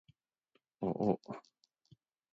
ああ